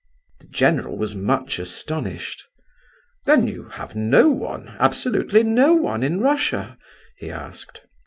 The general was much astonished. "Then you have no one, absolutely no one in Russia?" he asked.